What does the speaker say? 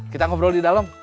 kita ngobrol di dalam